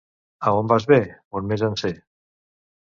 A on vas bé? On més en sé.